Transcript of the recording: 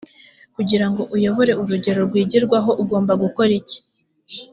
kugira ngo uyobore urugero rwigirwaho ugomba gukora iki